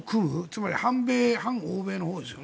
つまり反米、反欧米のほう。